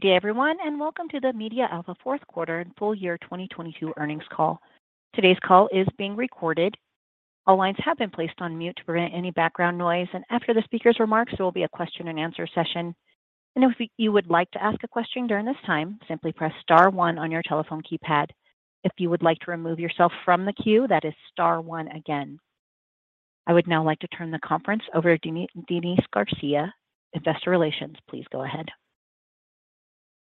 Good day everyone, welcome to the MediaAlpha fourth quarter and full year 2022 earnings call. Today's call is being recorded. All lines have been placed on mute to prevent any background noise. After the speaker's remarks, there will be a question and answer session. If you would like to ask a question during this time, simply press star one on your telephone keypad. If you would like to remove yourself from the queue, that is star one again. I would now like to turn the conference over to Denise Garcia, Investor Relations. Please go ahead.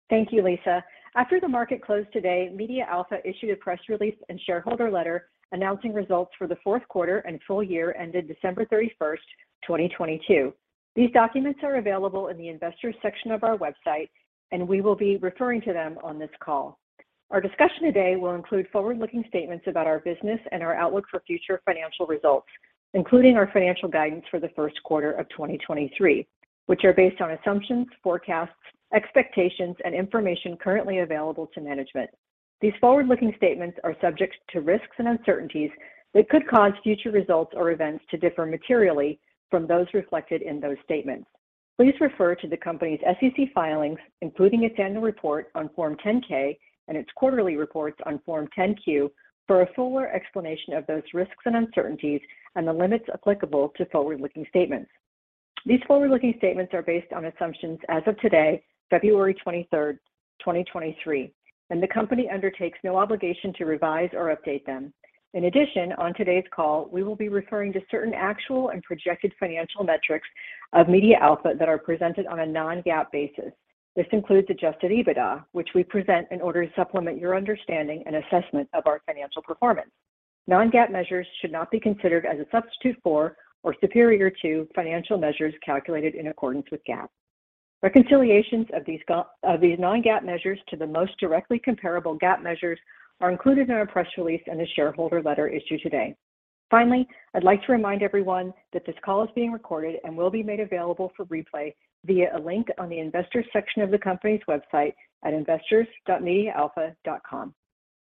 Thank you, Lisa. After the market closed today, MediaAlpha issued a press release and shareholder letter announcing results for the fourth quarter and full year ended December 31, 2022. These documents are available in the investors section of our website and we will be referring to them on this call. Our discussion today will include forward-looking statements about our business and our outlook for future financial results including our financial guidance for the first quarter of 2023 which are based on assumptions, forecasts, expectations and information currently available to management. These forward-looking statements are subject to risks and uncertainties that could cause future results or events to differ materially from those reflected in those statements. Please refer to the company's SEC filings including its annual report on Form 10-K and its quarterly reports on Form 10-Q for a fuller explanation of those risks and uncertainties and the limits applicable to forward-looking statements. These forward-looking statements are based on assumptions as of today, February 23, 2023 and the company undertakes no obligation to revise or update them. In addition, on today's call, we will be referring to certain actual and projected financial metrics of MediaAlpha that are presented on a non-GAAP basis. This includes adjusted EBITDA, which we present in order to supplement your understanding and assessment of our financial performance. Non-GAAP measures should not be considered as a substitute for or superior to financial measures calculated in accordance with GAAP. Reconciliations of these non-GAAP measures to the most directly comparable GAAP measures are included in our press release and the shareholder letter issued today. Finally, I'd like to remind everyone that this call is being recorded and will be made available for replay via a link on the investors section of the company's website @ investors.mediaalpha.com.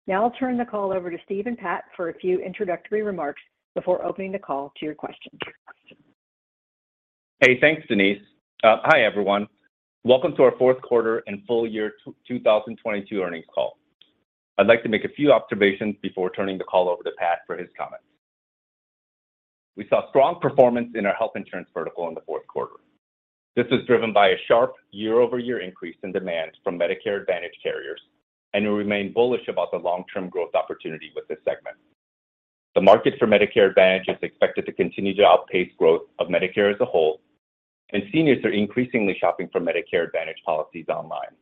Now I'll turn the call over to Steve and Pat for a few introductory remarks before opening the call to your questions. Hey, thanks, Denise. Hi, everyone, welcome to our fourth quarter and full year 2022 earnings call. I'd like to make a few observations before turning the call over to Pat for his comments. We saw strong performance in our health insurance vertical in the fourth quarter. This was driven by a sharp year-over-year increase in demand from Medicare Advantage carriers and we remain bullish about the long-term growth opportunity with this segment. The market for Medicare Advantage is expected to continue to outpace growth of Medicare as a whole and seniors are increasingly shopping for Medicare Advantage policies online;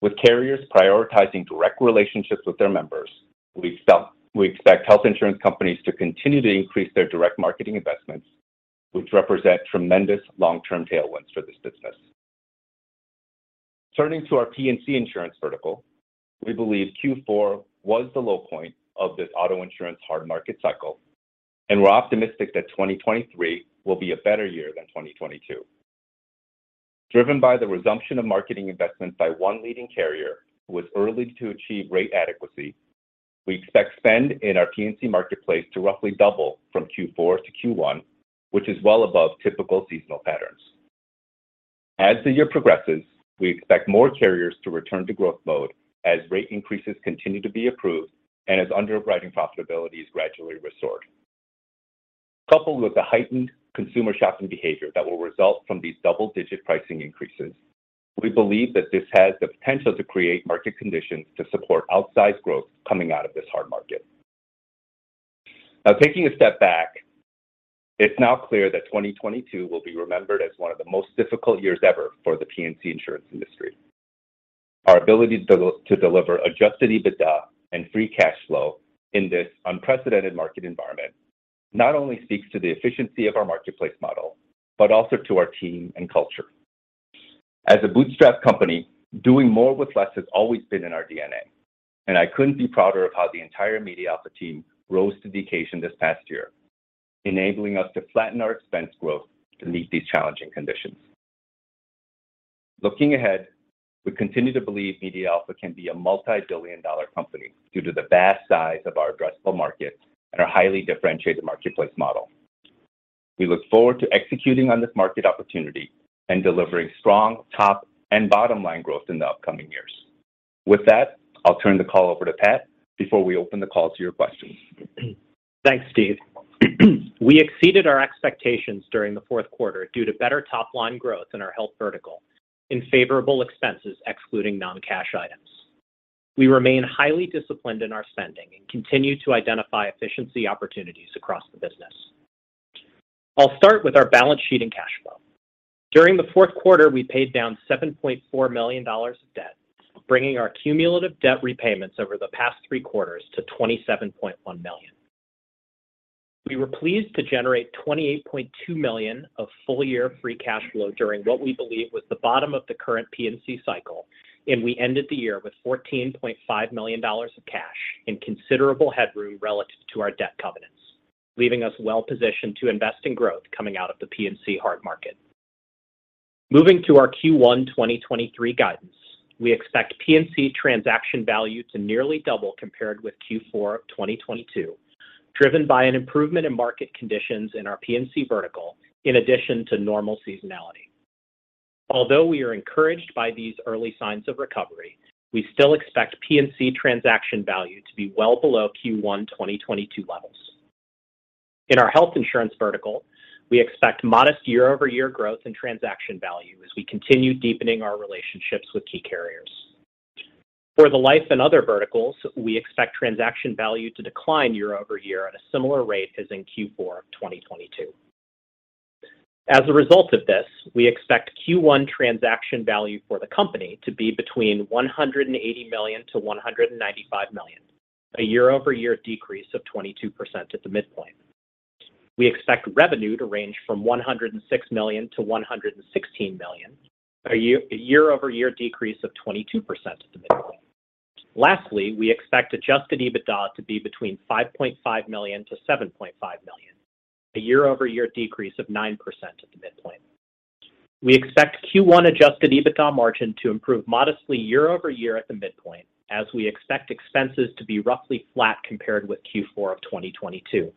with carriers prioritizing direct relationships with their members, we expect health insurance companies to continue to increase their direct marketing investments which represent tremendous long-term tailwinds for this business. Turning to our P&C insurance vertical, we believe Q4 was the low point of this auto insurance hard market cycle and we're optimistic that 2023 will be a better year than 2022. Driven by the resumption of marketing investments by one leading carrier who was early to achieve rate adequacy, we expect spend in our P&C marketplace to roughly double from Q4 to Q1, which is well above typical seasonal patterns. As the year progresses, we expect more carriers to return to growth mode as rate increases continue to be approved and as underwriting profitability is gradually restored; coupled with the heightened consumer shopping behavior that will result from these double-digit pricing increases, we believe that this has the potential to create market conditions to support outsized growth coming out of this hard market. Taking a step back, it's now clear that 2022 will be remembered as one of the most difficult years ever for the P&C insurance industry. Our ability to deliver adjusted EBITDA and free cash flow in this unprecedented market environment not only speaks to the efficiency of our marketplace model but also to our team and culture. As a bootstrap company, doing more with less has always been in our DNA and I couldn't be prouder of how the entire MediaAlpha team rose to the occasion this past year, enabling us to flatten our expense growth to meet these challenging conditions. Looking ahead, we continue to believe MediaAlpha can be a multi-billion dollar company due to the vast size of our addressable market and our highly differentiated marketplace model. We look forward to executing on this market opportunity and delivering strong top and bottom line growth in the upcoming years. With that, I'll turn the call over to Pat before we open the call to your questions. Thanks, Steve. We exceeded our expectations during the fourth quarter due to better top-line growth in our health vertical and favorable expenses excluding non-cash items. We remain highly disciplined in our spending and continue to identify efficiency opportunities across the business. I'll start with our balance sheet and cash flow. During the fourth quarter, we paid down $7.4 million of debt, bringing our cumulative debt repayments over the past three quarters to $27.1 million. We were pleased to generate $28.2 million of full year free cash flow during what we believe was the bottom of the current P&C cycle and we ended the year with $14.5 million of cash and considerable headroom relative to our debt covenants, leaving us well positioned to invest in growth coming out of the P&C hard market. Moving to our Q1 2023 guidance, we expect P&C transaction value to nearly double compared with Q4 of 2022, driven by an improvement in market conditions in our P&C vertical in addition to normal seasonality. Although we are encouraged by these early signs of recovery, we still expect P&C transaction value to be well below Q1 2022 levels. In our health insurance vertical, we expect modest year-over-year growth in transaction value as we continue deepening our relationships with key carriers. For the life and other verticals, we expect transaction value to decline year-over-year at a similar rate as in Q4 of 2022. As a result of this, we expect Q1 transaction value for the company to be between $180 million to `$195 million, a year-over-year decrease of 22% at the midpoint. We expect revenue to range from $106 million to $116 million, a year-over-year decrease of 22% at the midpoint. Lastly, we expect adjusted EBITDA to be between $5.5 million to $7.5 million, a year-over-year decrease of 9% at the midpoint. We expect Q1 adjusted EBITDA margin to improve modestly year-over-year at the midpoint as we expect expenses to be roughly flat compared with Q4 of 2022.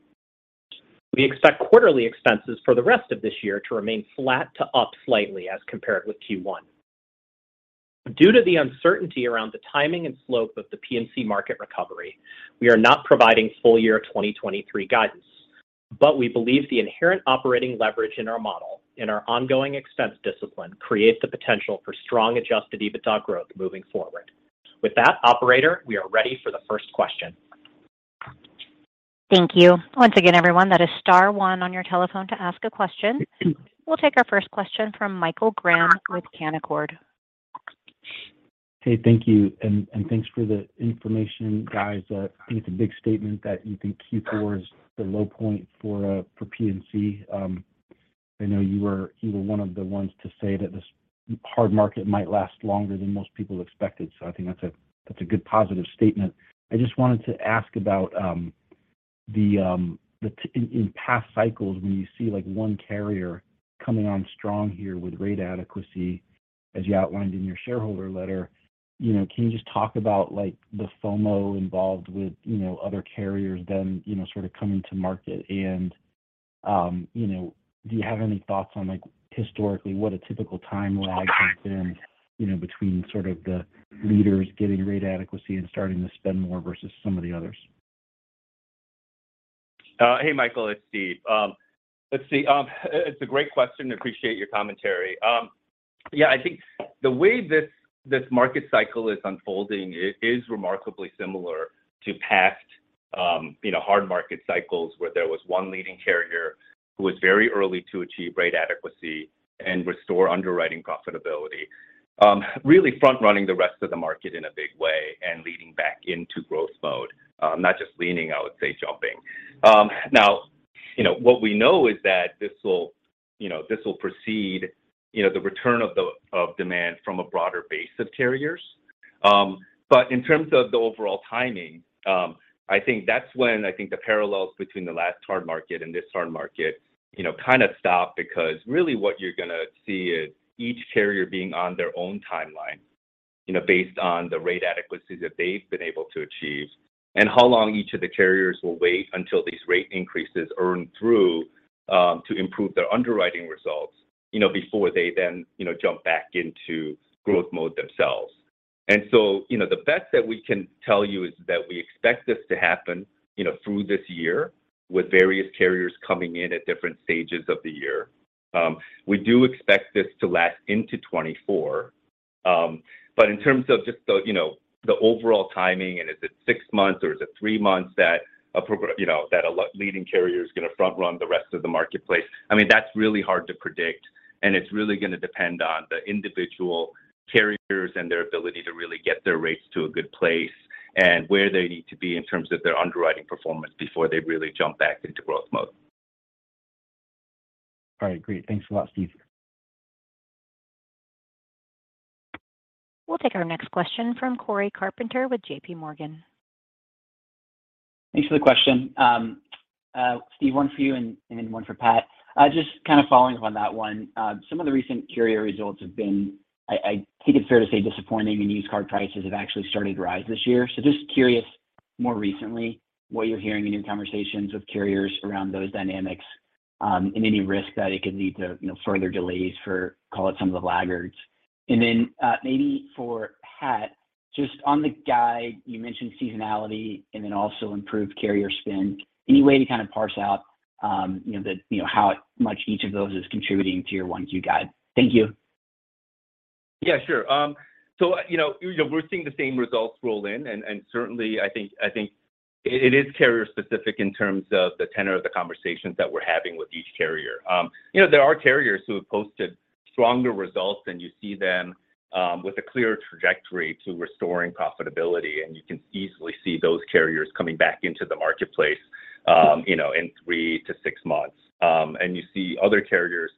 We expect quarterly expenses for the rest of this year to remain flat to up slightly as compared with Q1. Due to the uncertainty around the timing and slope of the P&C market recovery, we are not providing full year 2023 guidance; We believe the inherent operating leverage in our model and our ongoing expense discipline creates the potential for strong adjusted EBITDA growth moving forward. With that, operator, we are ready for the first question. Thank you. Once again, everyone, that is star one on your telephone to ask a question. We'll take our first question from Michael Graham with Canaccord. Hey, thank you, and thanks for the information, guys. I think it's a big statement that you think Q4 is the low point for P&C. I know you were one of the ones to say that this hard market might last longer than most people expected, I think that's a, that's a good positive statement. I just wanted to ask about the in past cycles, when you see, like one carrier coming on strong here with rate adequacy as you outlined in your shareholder letter, you know, can you just talk about, like, the FOMO involved with, you know, other carriers then, you know, sort of coming to market? You know, do you have any thoughts on, like, historically what a typical time lag has been, you know, between sort of the leaders getting rate adequacy and starting to spend more versus some of the others? Hey, Michael, it's Steve. Let's see. It's a great question, appreciate your commentary. Yeah, I think the way this market cycle is unfolding is remarkably similar to past, you know, hard market cycles where there was one leading carrier who was very early to achieve rate adequacy and restore underwriting profitability, really front-running the rest of the market in a big way and leading back into growth mode, not just leaning, I would say jumping. Now, you know, what we know is that this will, you know, this will precede, you know, the return of demand from a broader base of carriers. In terms of the overall timing, I think that's when I think the parallels between the last hard market and this hard market, you know, kind of stop because really what you're gonna see is each carrier being on their own timeline, you know, based on the rate adequacy that they've been able to achieve and how long each of the carriers will wait until these rate increases earn through to improve their underwriting results, you know, before they then, you know, jump back into growth mode themselves. You know, the best that we can tell you is that we expect this to happen, you know, through this year with various carriers coming in at different stages of the year. We do expect this to last into 2024. In terms of just the, you know, the overall timing and is it six months or is it three months that a you know, that a leading carrier is gonna front run the rest of the marketplace, I mean, that's really hard to predict and it's really gonna depend on the individual carriers and their ability to really get their rates to a good place and where they need to be in terms of their underwriting performance before they really jump back into growth mode. All right. Great. Thanks a lot, Steve. We'll take our next question from Cory Carpenter with J.P. Morgan. Thanks for the question. Steve, one for you and one for Pat, just kind of following up on that one, some of the recent carrier results have been, I think it's fair to say disappointing and used car prices have actually started to rise this year; just curious more recently what you're hearing in your conversations with carriers around those dynamics and any risk that it could lead to, you know, further delays for call it some of the laggards and then, maybe for Pat, just on the guide, you mentioned seasonality and then also improved carrier spend. Any way to kind of parse out, you know, the, you know, how much each of those is contributing to your 1Q guide? Thank you. Yeah, sure. You know, we're seeing the same results roll in and certainly I think it is carrier-specific in terms of the tenor of the conversations that we're having with each carrier. You know, there are carriers who have posted stronger results and you see them with a clear trajectory to restoring profitability and you can easily see those carriers coming back into the marketplace, you know, in three to six months. You see other carriers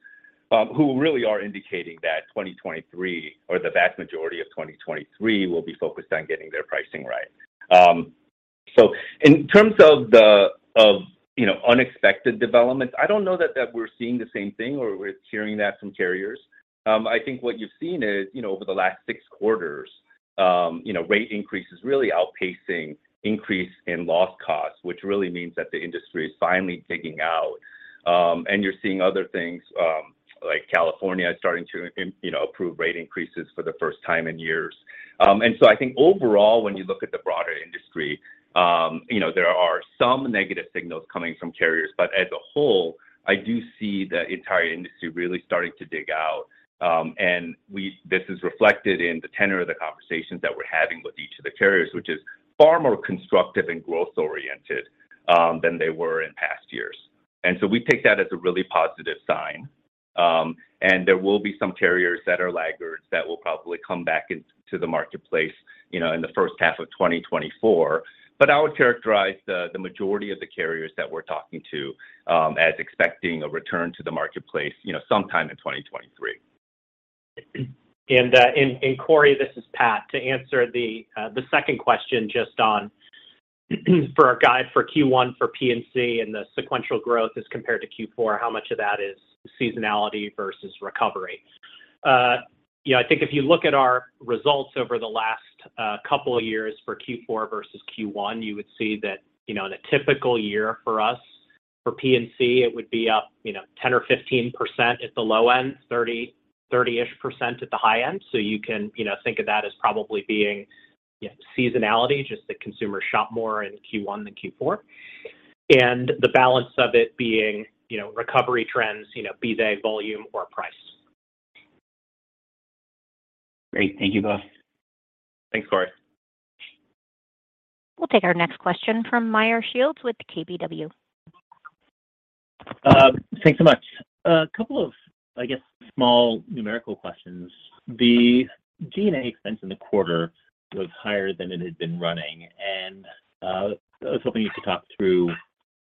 who really are indicating that 2023 or the vast majority of 2023 will be focused on getting their pricing right. In terms of the, you know, unexpected developments, I don't know that we're seeing the same thing or we're hearing that from carriers. I think what you've seen is, you know, over the last six quarters, you know, rate increase is really outpacing increase in loss costs which really means that the industry is finally digging out and you're seeing other things, like California is starting to, you know, approve rate increases for the first time in years. I think overall, when you look at the broader industry, you know, there are some negative signals coming from carriers but as a whole, I do see the entire industry really starting to dig out and this is reflected in the tenor of the conversations that we're having with each of the carriers which is far more constructive and growth-oriented than they were in past years; we take that as a really positive sign. There will be some carriers that are laggards that will probably come back into the marketplace, you know, in the first half of 2024 but I would characterize the majority of the carriers that we're talking to, as expecting a return to the marketplace, you know, sometime in 2023. Cory, this is Pat, to answer the second question just on for our guide for Q1 for P&C and the sequential growth as compared to Q4 -- how much of that is seasonality versus recovery, you know, I think if you look at our results over the last couple of years for Q4 versus Q1, you would see that, you know, in a typical year for us, for P&C, it would be up, you know, 10% or 15% at the low end, 30% at the high end, you can, you know, think of that as probably being, you know, seasonality, just the consumer shop more in Q1 than Q4 and the balance of it being, you know, recovery trends, you know, be they volume or price. Great. Thank you both. Thanks, Cory. We'll take our next question from Meyer Shields with KBW. Thanks so much, a couple of, I guess, small numerical questions -- The G&A expense in the quarter was higher than it had been running and I was hoping you could talk through,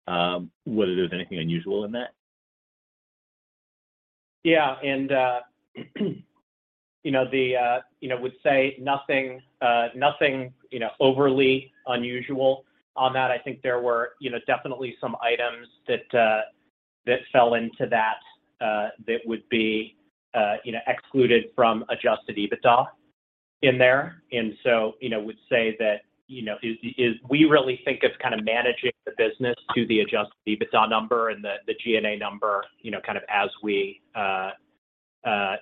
whether there's anything unusual in that. Yeah. You know, the, you know, would say nothing, you know, overly unusual on that; I think there were, you know, definitely some items that fell into that would be, you know, excluded from adjusted EBITDA in there, so, you know, would say that, you know, is we really think of kind of managing the business to the adjusted EBITDA number and the G&A number, you know, kind of as we, that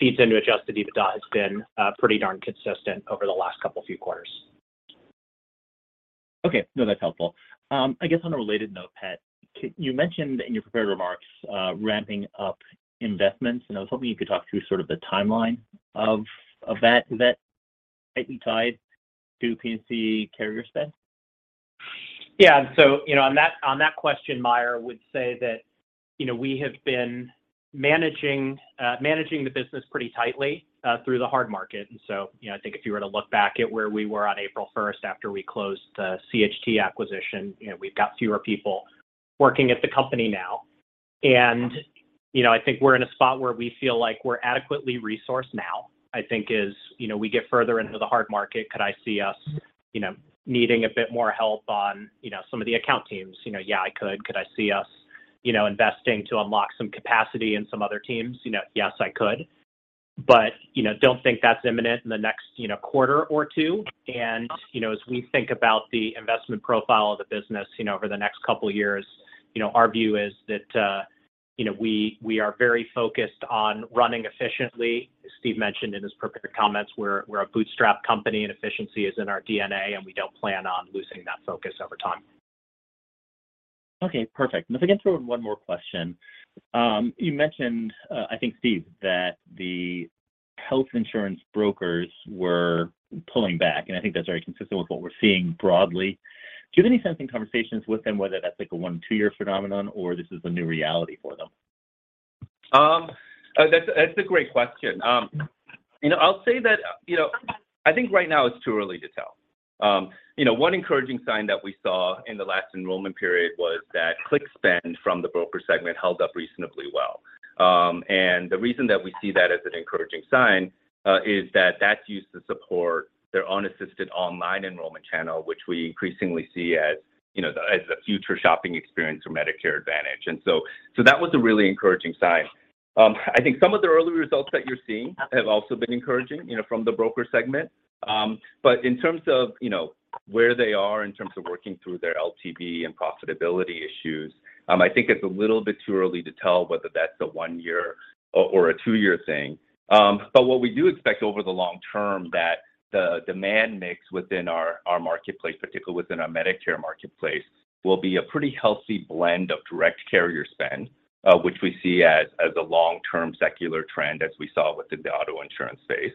feeds into adjusted EBITDA has been pretty darn consistent over the last couple of few quarters. No, that's helpful. I guess on a related note, Pat, you mentioned in your prepared remarks, ramping up investments. I was hoping you could talk through sort of the timeline of that -- Is that tightly tied to P&C carrier spend? You know, on that, on that question, Meyer, would say that, you know, we have been managing the business pretty tightly through the hard market; you know, I think if you were to look back at where we were on April 1st after we closed the CHT acquisition, you know, we've got fewer people working at the company now and you know, I think we're in a spot where we feel like we're adequately resourced now. I think is, you know, we get further into the hard market, could I see us, you know, needing a bit more help on, you know, some of the account teams? You know, yeah, I could -- could I see us, you know, investing to unlock some capacity in some other teams? You know, yes, I could. You know, don't think that's imminent in the next, you know, quarter or two and you know, as we think about the investment profile of the business, you know, over the next couple of years, you know, our view is that, you know, we are very focused on running efficiently, Steve mentioned in his prepared comments, we're a bootstrap company, and efficiency is in our DNA and we don't plan on losing that focus over time. Okay, perfect, if I can throw in one more question --` You mentioned, I think, Steve, that the health insurance brokers were pulling back and I think that's very consistent with what we're seeing broadly. Do you have any sense in conversations with them whether that's like a one, two year phenomenon or this is the new reality for them? That's a great question, you know, I'll say that, you know, I think right now it's too early to tell; you know, one encouraging sign that we saw in the last enrollment period was that click spend from the broker segment held up reasonably well. The reason that we see that as an encouraging sign is that that's used to support their own assisted online enrollment channel which we increasingly see as, you know, as a future shopping experience for Medicare Advantage, so that was a really encouraging sign. I think some of the early results that you're seeing have also been encouraging, you know, from the broker segment. In terms of, you know, where they are in terms of working through their LTV and profitability issues, I think it's a little bit too early to tell whether that's a one-year or a two-year thing. What we do expect over the long term that the demand mix within our marketplace, particularly within our Medicare marketplace, will be a pretty healthy blend of direct carrier spend which we see as a long-term secular trend as we saw within the auto insurance space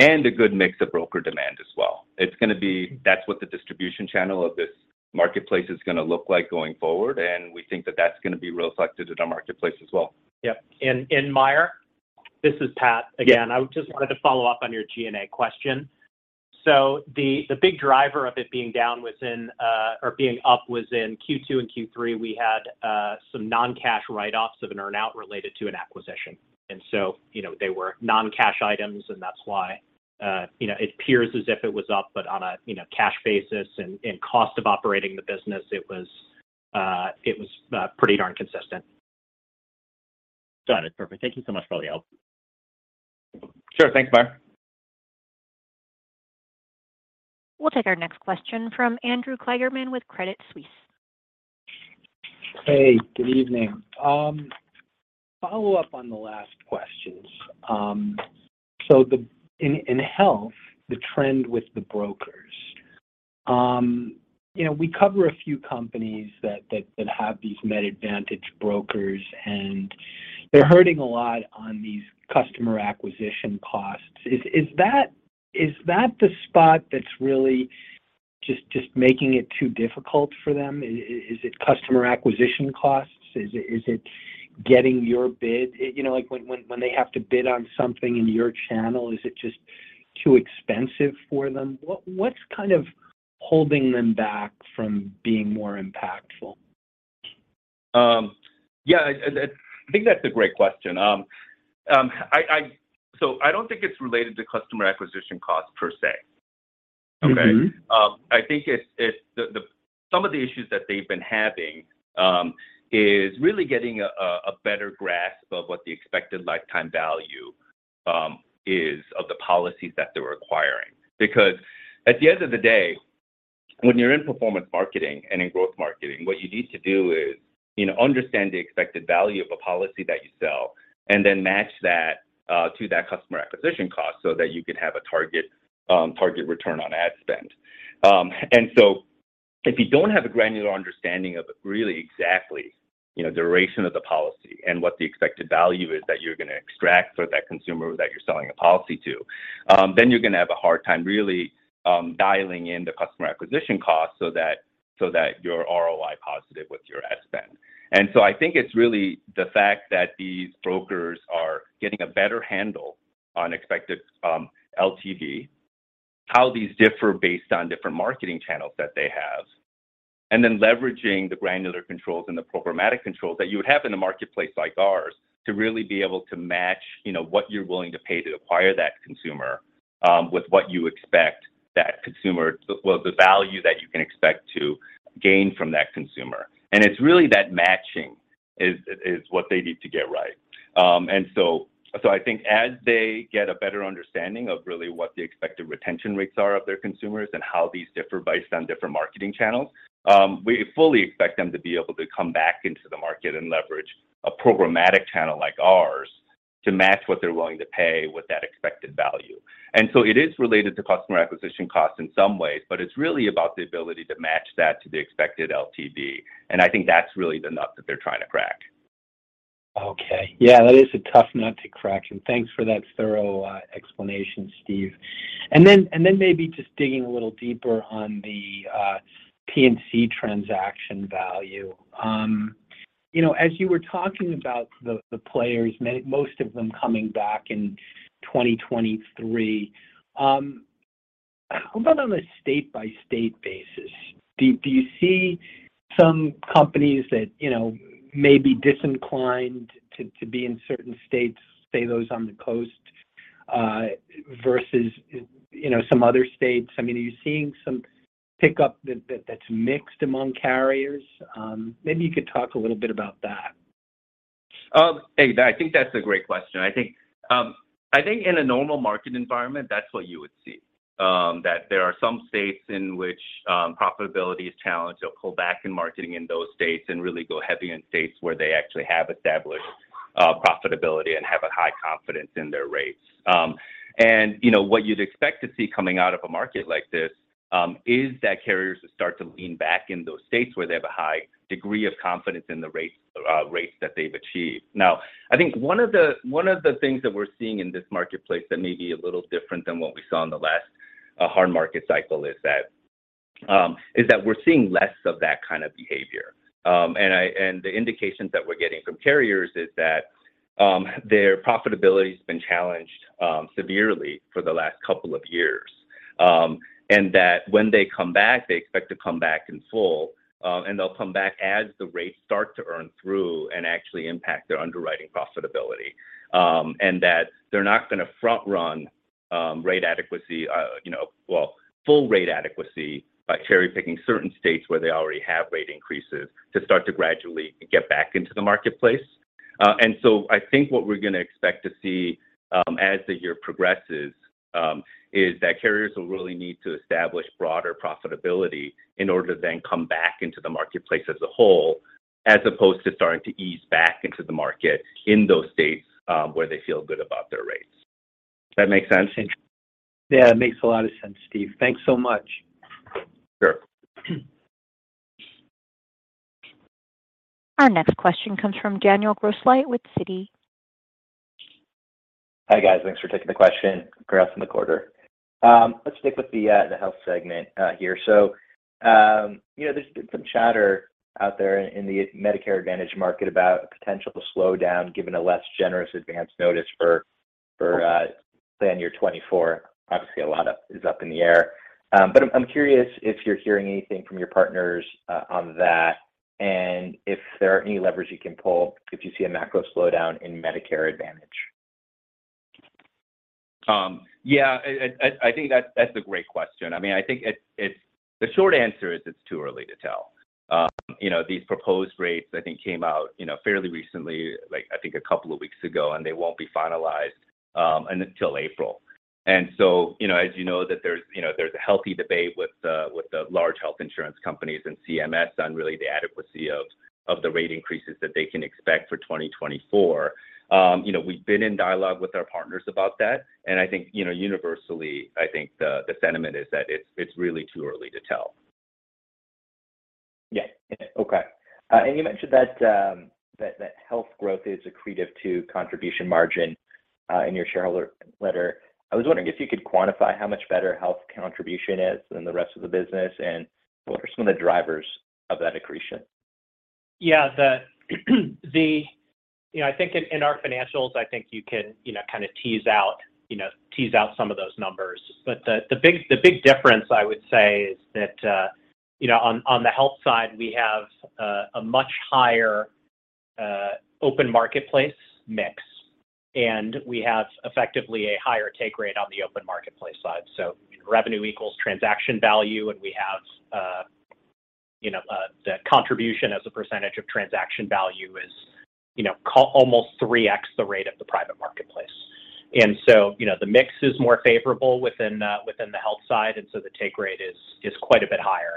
and a good mix of broker demand as well; that's what the distribution channel of this marketplace is gonna look like going forward and we think that that's gonna be reflected in our marketplace as well. Yep. Meyer, this is Pat again. Yeah. I just wanted to follow up on your G&A question; the big driver of it being down within, or being up was in Q2 and Q3, we had some non-cash write-offs of an earn-out related to an acquisition and you know, they were non-cash items and that's why, you know, it appears as if it was up, but on a, you know, cash basis and cost of operating the business, it was pretty darn consistent. Got it. Perfect. Thank you so much for all the help. Sure. Thanks, Meyer. We'll take our next question from Andrew Kligerman with Credit Suisse. Hey, good evening, follow up on the last questions, in health -- the trend with the brokers, you know, we cover a few companies that have these Med Advantage brokers and they're hurting a lot on these customer acquisition costs; is that the spot that's really just making it too difficult for them? Is it customer acquisition costs? Is it getting your bid? You know, like when they have to bid on something in your channel, is it just too expensive for them? What's kind of holding them back from being more impactful? Yeah, I think that's a great question. I don't think it's related to customer acquisition costs per se. Okay? Mm-hmm. I think Some of the issues that they've been having is really getting a better grasp of what the expected lifetime value is of the policies that they're acquiring; at the end of the day, when you're in performance marketing and in growth marketing, what you need to do is, you know, understand the expected value of a policy that you sell and then match that to that customer acquisition cost so that you can have a target return on ad spend. If you don't have a granular understanding of really exactly, you know, duration of the policy and what the expected value is that you're gonna extract for that consumer that you're selling a policy to, then you're gonna have a hard time really dialing in the customer acquisition cost so that you're ROI (return on investment) positive with your ad spend. I think it's really the fact that these brokers are getting a better handle on expected LTV, how these differ based on different marketing channels that they have, and then leveraging the granular controls and the programmatic controls that you would have in a marketplace like ours to really be able to match, you know, what you're willing to pay to acquire that consumer with what you expect that consumer, the value that you can expect to gain from that consumer. It's really that matching is what they need to get right. I think as they get a better understanding of really what the expected retention rates are of their consumers and how these differ based on different marketing channels, we fully expect them to be able to come back into the market and leverage a programmatic channel like ours to match what they're willing to pay with that expected value and it is related to customer acquisition costs in some ways, but it's really about the ability to match that to the expected LTV and I think that's really the nut that they're trying to crack. Okay. Yeah, that is a tough nut to crack and thanks for that thorough explanation, Steve and then maybe just digging a little deeper on the P&C Transaction Value, you know, as you were talking about the players, most of them coming back in 2023, how about on a state-by-state basis? Do you see some companies that, you know, may be disinclined to be in certain states, say those on the coast, versus, you know, some other states? I mean, are you seeing some pickup that's mixed among carriers? Maybe you could talk a little bit about that. Hey, I think that's a great question, I think in a normal market environment, that's what you would see, that there are some states in which profitability is challenged -- they'll pull back in marketing in those states and really go heavy in states where they actually have established profitability and have a high confidence in their rates; you know, what you'd expect to see coming out of a market like this, is that carriers will start to lean back in those states where they have a high degree of confidence in the rates that they've achieved. I think one of the things that we're seeing in this marketplace that may be a little different than what we saw in the last hard market cycle is that we're seeing less of that kind of behavior; the indications that we're getting from carriers is that their profitability's been challenged severely for the last couple of years. When they come back, they expect to come back in full and they'll come back as the rates start to earn through and actually impact their underwriting profitability and they're not gonna front run rate adequacy, you know, well, full rate adequacy by cherry-picking certain states where they already have rate increases to start to gradually get back into the marketplace. I think what we're gonna expect to see, as the year progresses, is that carriers will really need to establish broader profitability in order to then come back into the marketplace as a whole, as opposed to starting to ease back into the market in those states, where they feel good about their rates. Does that make sense? Yeah, it makes a lot of sense, Steve. Thanks so much. Sure. Our next question comes from Daniel Grosslight with Citi. Hi, guys. Thanks for taking the question. Congrats on the quarter. Let's stick with the health segment here -- you know, there's been some chatter out there in the Medicare Advantage market about a potential slowdown given a less generous advance notice for plan year 2024, obviously, a lot of is up in the air; I'm curious if you're hearing anything from your partners on that and if there are any levers you can pull if you see a macro slowdown in Medicare Advantage Yeah, I think that's a great question, I mean, I think -- the short answer is it's too early to tell, you know, these proposed rates I think came out, you know, fairly recently, like, I think a couple of weeks ago and they won't be finalized until April and you know, as you know that there's, you know, there's a healthy debate with the large Health Insurance companies and CMS on really the adequacy of the rate increases that they can expect for 2024. You know, we've been in dialogue with our partners about that and I think, you know, universally, I think the sentiment is that it's really too early to tell. Yeah, okay and you mentioned that health growth is accretive to contribution margin, in your shareholder letter; I was wondering if you could quantify how much better health contribution is than the rest of the business and what are some of the drivers of that accretion? You know, I think in our financials -- I think you can, you know, kind of tease out some of those numbers; the big difference I would say is that, you know, on the health side, we have a much higher open marketplace mix and we have effectively a higher take rate on the open marketplace side; revenue equals transaction value and we have, you know -- the contribution as a percentage of transaction value is, you know, almost 3x the rate of the private marketplace; you know, the mix is more favorable within the health side and so the take rate is quite a bit higher;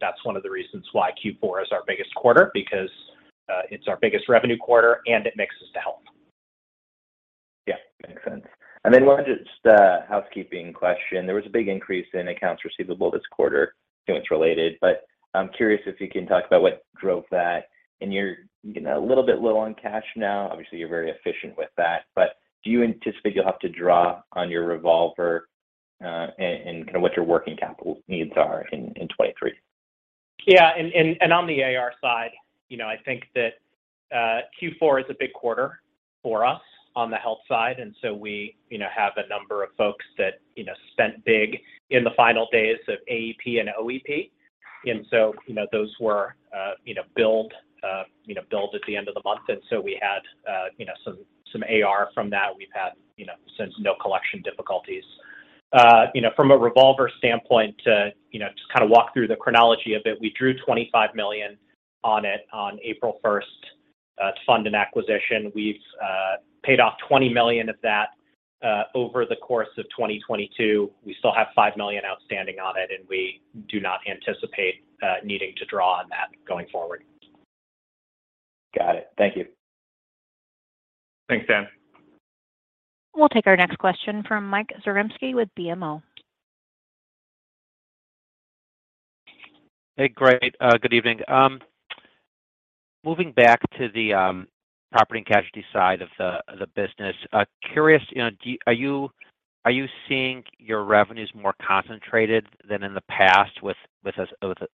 that's one of the reasons why Q4 is our biggest quarter because it's our biggest revenue quarter and it mixes to health. Yeah. Makes sense, then just a housekeeping question -- there was a big increase in accounts receivable this quarter and it's related. I'm curious if you can talk about what drove that; you're, you know, a little bit low on cash now, obviously, you're very efficient with that. Do you anticipate you'll have to draw on your revolver and kind of what your working capital needs are in 2023? On the AR side, you know, I think that Q4 is a big quarter for us on the health side, we, you know, have a number of folks that, you know, spent big in the final days of AEP and OEP. Those were, you know, billed, you know, billed at the end of the month; we had, you know, some AR from that we've had, you know, since no collection difficulties. You know, from a revolver standpoint, to, you know, just kind of walk through the chronology of it, we drew $25 million on it on April 1st, to fund an acquisition, we've paid off $20 million of that over the course of 2022, we still have $5 million outstanding on it and we do not anticipate needing to draw on that going forward. Got it. Thank you. Thanks, Dan. We'll take our next question from Mike Zaremski with BMO. Hey, great. Good evening, moving back to the property and casualty side of the business, curious, you know -- are you seeing your revenues more concentrated than in the past with a,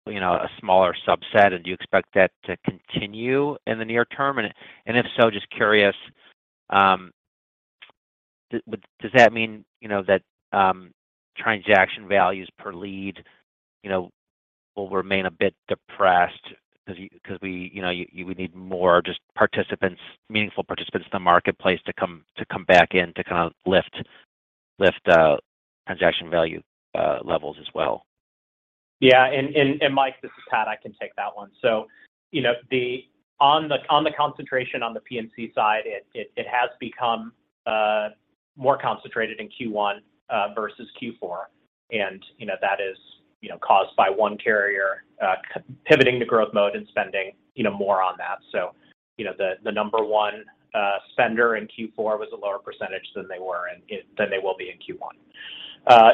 you know, a smaller subset? Do you expect that to continue in the near term? If so, just curious, does that mean, you know, that transaction values per lead, you know, will remain a bit depressed 'cause we, you know, you would need more just participants, meaningful participants in the marketplace to come back in to kind of lift transaction value levels as well? Yeah. Mike, this is Pat, I can take that one; you know, on the concentration on the P&C side -- it has become more concentrated in Q1 versus Q4 and you know, that is, you know, caused by one carrier pivoting to growth mode and spending, you know, more on that; you know, the number one spender in Q4 was a lower percentage than they were than they will be in Q1. You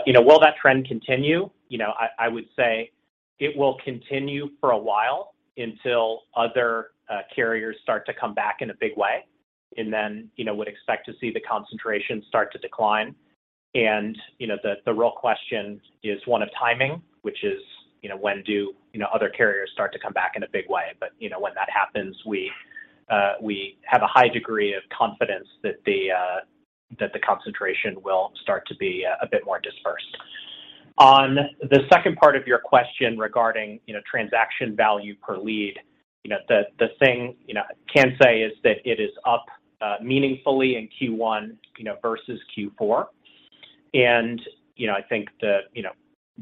know, will that trend continue? You know, I would say it will continue for a while until other carriers start to come back in a big way and then, you know, would expect to see the concentration start to decline. You know, the real question is one of timing, which is, you know, when do you know other carriers start to come back in a big way? You know, when that happens, we have a high degree of confidence that the concentration will start to be a bit more dispersed. On the second part of your question regarding, you know, transaction value per lead, you know, the thing, you know, I can say is that it is up meaningfully in Q1, you know, versus Q4 and you know, I think the, you know,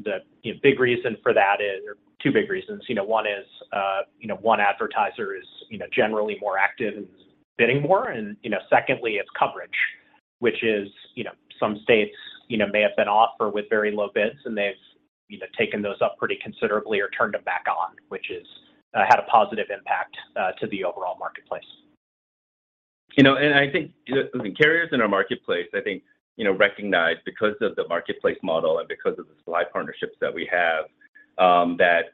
the big reason for that is two big reasons, you know, one is, you know -- one advertiser is, you know, generally more active and is bidding more; you know, secondly -- it's coverage, which is, you know, some states, you know, may have been off or with very low bids and they've, you know, taken those up pretty considerably or turned them back on which is had a positive impact to the overall marketplace. I think the carriers in our marketplace, I think, you know, recognize because of the marketplace model and because of the supply partnerships that we have, that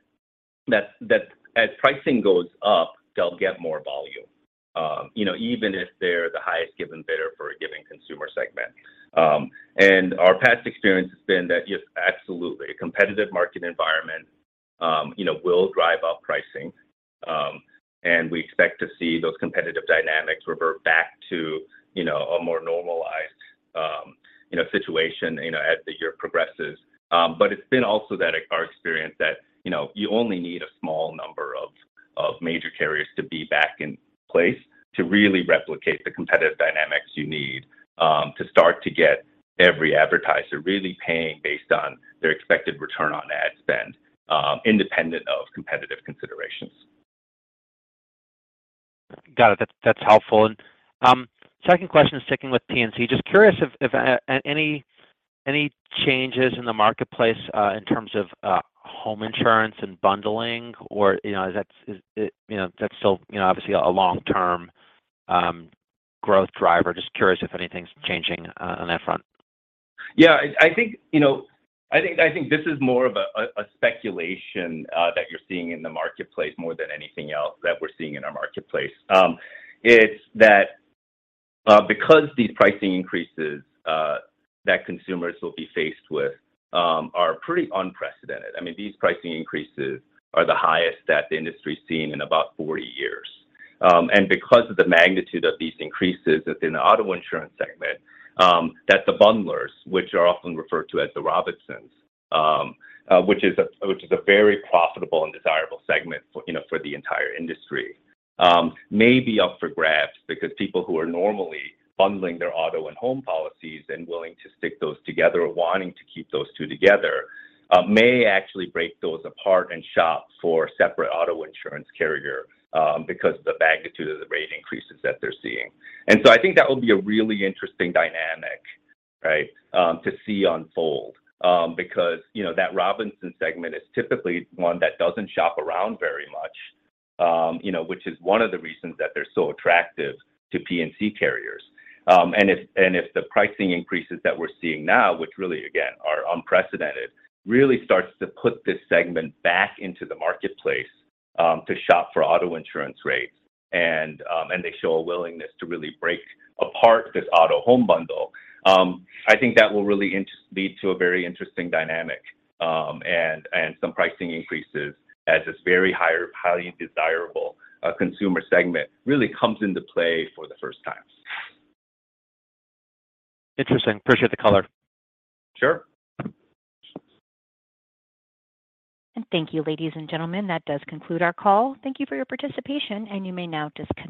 as pricing goes up, they'll get more volume, you know, even if they're the highest given bidder for a given consumer segment and our past experience has been that, yes, absolutely, a competitive market environment, you know, will drive up pricing and we expect to see those competitive dynamics revert back to, you know, a more normalized, you know, situation, you know, as the year progresses. It's been also that our experience that, you know, you only need a small number of major carriers to be back in place to really replicate the competitive dynamics you need to start to get every advertiser really paying based on their expected return on ad spend, independent of competitive considerations. Got it. That's, that's helpful, second question, sticking with P&C -- just curious if any changes in the marketplace in terms of home insurance and bundling or, you know, that's still, you know, obviously a long-term growth driver -- just curious if anything's changing on that front. Yeah, I think, you know -- I think this is more of a speculation that you're seeing in the marketplace more than anything else that we're seeing in our marketplace; it's that because these pricing increases that consumers will be faced with are pretty unprecedented; I mean, these pricing increases are the highest that the industry's seen in about 40 years. Because of the magnitude of these increases within the auto insurance segment that the bundlers which are often referred to as the Robinsons which is a very profitable and desirable segment for, you know, for the entire industry, may be up for grabs because people who are normally bundling their auto and home policies and willing to stick those together or wanting to keep those two together may actually break those apart and shop for separate auto insurance carrier because of the magnitude of the rate increases that they're seeing; I think that will be a really interesting dynamic, right, to see unfold because, you know, that Robinson segment is typically one that doesn't shop around very much, you know, which is one of the reasons that they're so attractive to P&C carriers. If the pricing increases that we're seeing now which really again are unprecedented, really starts to put this segment back into the marketplace to shop for auto insurance rates and they show a willingness to really break apart this auto home bundle; I think that will really lead to a very interesting dynamic and some pricing increases as this very highly desirable consumer segment really comes into play for the first time. Interesting. Appreciate the color. Sure. Thank you, ladies and gentlemen. That does conclude our call. Thank you for your participation, and you may now disconnect.